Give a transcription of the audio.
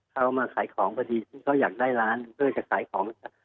เขามาขายของพอดีที่เขาอยากได้ร้านเพื่อจะขายของ